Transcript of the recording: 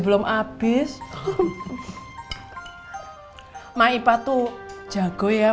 be air pamit tuh ya